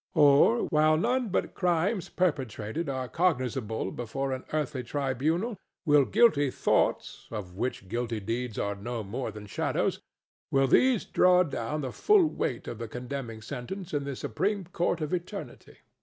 Or, while none but crimes perpetrated are cognizable before an earthly tribunal, will guilty thoughts—of which guilty deeds are no more than shadows,—will these draw down the full weight of a condemning sentence in the supreme court of eternity?